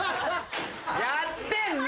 やってんの！